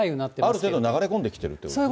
ある程度流れ込んできているということですね。